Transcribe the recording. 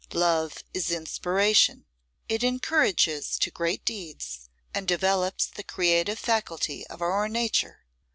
Love is inspiration; it encourages to great deeds, and develops the creative faculty of our nature.